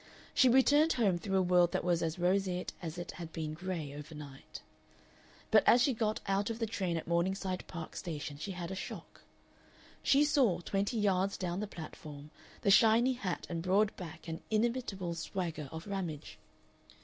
She returned home through a world that was as roseate as it had been gray overnight. But as she got out of the train at Morningside Park Station she had a shock. She saw, twenty yards down the platform, the shiny hat and broad back and inimitable swagger of Ramage.